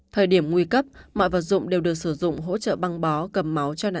thời điểm nguy cấp mọi vật dụng đều được sử dụng hỗ trợ băng bó cầm máu cho nạn nhân